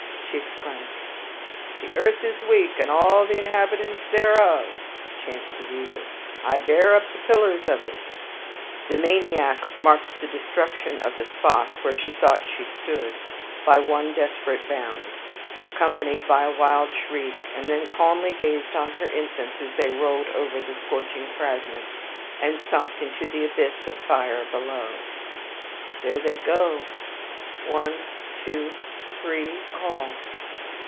she exclaimed. "The earth is weak, and all the inhabitants thereof," chanted the weaver; "I bear up the pillars of it." The maniac marked the destruction of the spot where she thought she stood by one desperate bound, accompanied by a wild shriek, and then calmly gazed on her infants as they rolled over the scorching fragments, and sunk into the abyss of fire below. "There they go, one two three all!"